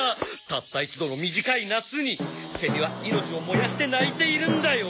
たった一度の短い夏にセミは命を燃やして鳴いているんだよ！